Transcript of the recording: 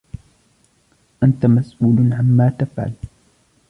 أنت مسؤول عمّا تفعل.